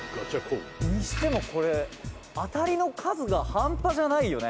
「にしてもこれ当たりの数が半端じゃないよね」